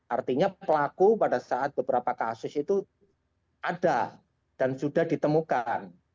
artinya pelaku pada saat beberapa kasus itu ada dan sudah ditemukan